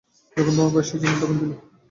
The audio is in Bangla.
যখন তোমার বয়সী ছিলাম তখন থেকেই।